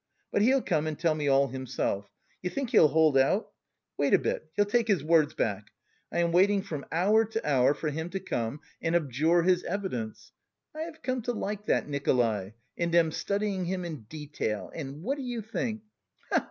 But he'll come and tell me all himself. You think he'll hold out? Wait a bit, he'll take his words back. I am waiting from hour to hour for him to come and abjure his evidence. I have come to like that Nikolay and am studying him in detail. And what do you think?